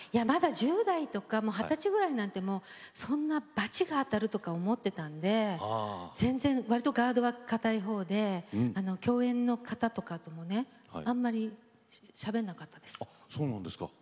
１０代とか二十歳くらいなんてそんな、ばちが当たるとか思っていたので全然わりとガードとかかたいほうで共演の方とかあまりしゃべらなかったです。